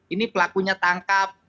ini pelakunya tangkap